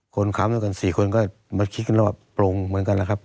คนค้ำด้วยกัน๔คนก็คิดกันแบบโปรงเหมือนกันแหละครับ